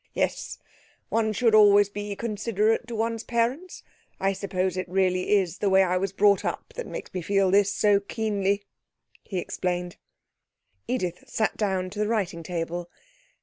Yes; one should always be considerate to one's parents. I suppose it really is the way I was brought up that makes me feel this so keenly,' he explained. Edith sat down to the writing table.